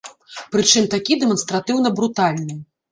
Прычым такі дэманстратыўна брутальны.